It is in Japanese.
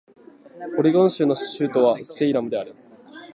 オレゴン州の州都はセイラムである